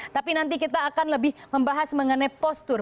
tapi nanti kita akan lebih membahas mengenai postur